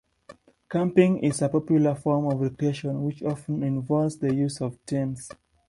Camping is a popular form of recreation which often involves the use of tents.